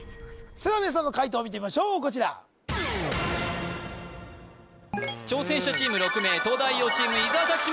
それでは皆さんの解答を見てみましょうこちら挑戦者チーム６名東大王チーム伊沢拓司